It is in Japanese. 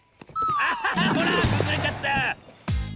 あほらくずれちゃった！